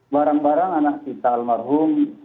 barang barang anak kita almarhum